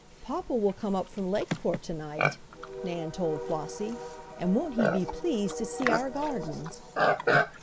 "Papa will come up from Lakeport to night," Nan told Flossie; "and won't he be pleased to see our gardens!"